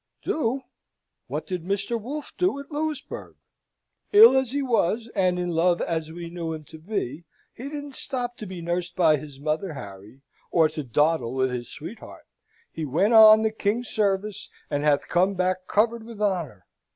"Do? What did Mr. Wolfe do at Louisbourg? Ill as he was, and in love as we knew him to be, he didn't stop to be nursed by his mother, Harry, or to dawdle with his sweetheart. He went on the King's service, and hath come back covered with honour.